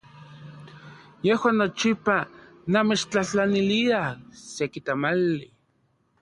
Yejuan nochipa namechtlajtlaniliaj seki tamali.